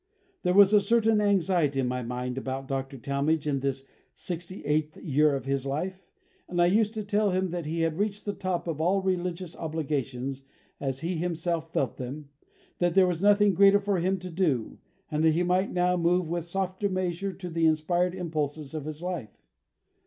There was a certain anxiety in my mind about Dr. Talmage in this sixty eighth year of his life, and I used to tell him that he had reached the top of all religious obligations as he himself felt them, that there was nothing greater for him to do, and that he might now move with softer measure to the inspired impulses of his life.